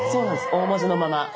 大文字のまま。